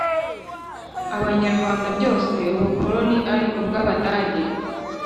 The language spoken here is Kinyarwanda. Abanyarwanda byose Ubukoroni ari ubw Abadage